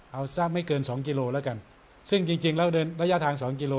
เอาสักไม่เกินสองกิโลแล้วกันซึ่งจริงจริงแล้วเดินระยะทางสองกิโล